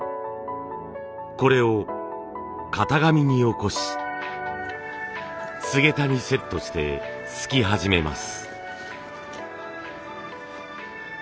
これを型紙に起こしすげたにセットしてすき始めます。